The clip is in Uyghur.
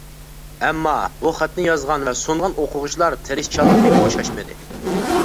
ئەمما بۇ خەتنى يازغان ۋە سۇنغان ئوقۇغۇچىلار تىرىشچانلىقى بوشاشمىدى.